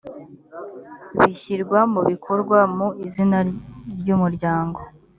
bishyirwa mu bikorwa mu izina ry’umuryango